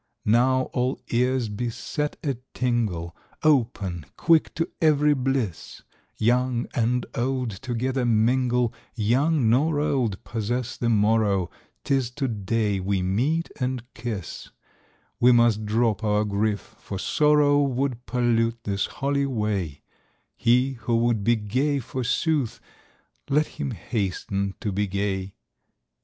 73 Now all ears be set a tingle, Open, quick to every bliss 1 Young and old together mingle, Young nor old possess the morrow, 'Tis to day we meet and kiss ; We must drop our grief, for sorrow Would pollute this holy way : He who would be gay, forsooth, Let him hasten to be gay.